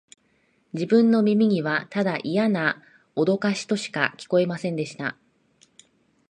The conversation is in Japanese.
自分の耳には、ただイヤなおどかしとしか聞こえませんでした